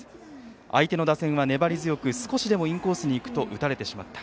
相手の打線は粘り強く少しでもインコースに行くと打たれてしまった。